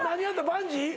バンジー？